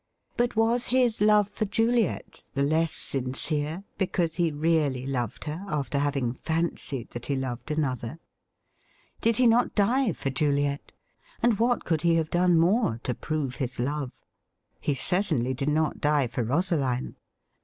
But was his love for Juliet the less sincere because he really loved her after having fancied that he loved another ? Did he not die for Juliet — and what could he have done more to prove his love .'' He certainly did not die for Rosaline.